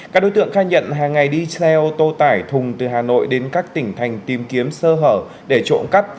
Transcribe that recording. các đối tượng khai nhận hàng ngày đi xe ô tô tải thùng từ hà nội đến các tỉnh thành tìm kiếm sơ hở để trộm cắp